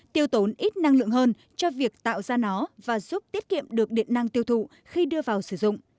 tiêu tốn ít năng lượng hơn cho việc tạo ra nó và giúp tiết kiệm được điện năng tiêu thụ khi đưa vào sử dụng